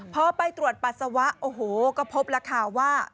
พอไปตรวจปัสสาวะก็พบละค่าว่า